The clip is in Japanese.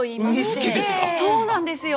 そうなんですよ！